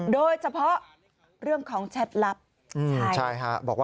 โดยเฉพาะเรื่องของแชทลับ